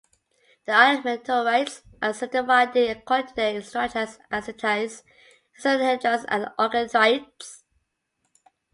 The iron meteorites are subdivided according to their structures as ataxites, hexahedrites and octahedrites.